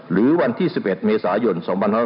หรือวันที่๑๑เมษายน๒๕๖๐